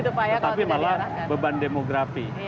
tetapi malah beban demografi